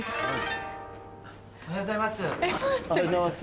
おはようございます。